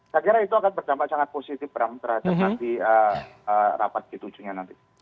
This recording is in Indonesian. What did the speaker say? saya kira itu akan berdampak sangat positif bram terhadap nanti rapat g tujuh nya nanti